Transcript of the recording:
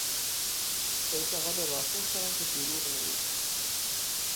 اعتقاد راسخ دارم که دروغ نمیگفت.